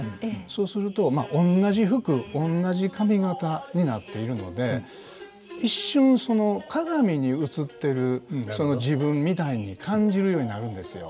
そうするとまあおんなじ服おんなじ髪型になっているので一瞬その鏡に映ってるその自分みたいに感じるようになるんですよ。